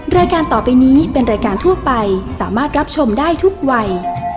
รายการต่อไปนี้เป็นรายการทั่วไปสามารถรับชมได้ทุกวัย